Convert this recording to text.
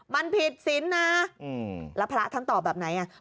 มันผิดศิลป์นะแล้วพระท่านตอบแบบไหนอ่ะ